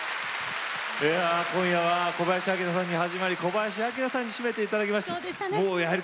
今夜は小林旭さんに始まり小林旭さんに締めていただきました。